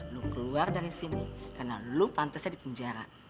lo keluar dari sini karena lo pantesnya di penjara